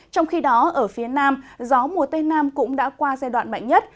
trong khi đó ở phía nam gió mùa tây nam cũng đã qua giai đoạn mạnh nhất